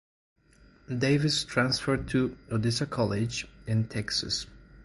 Davis transferred to Odessa College in Texas.